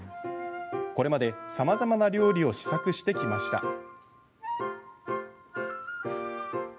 これまで、さまざまな料理を試作してきました。